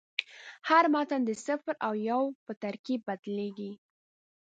هر متن د صفر او یو په ترکیب بدلېږي.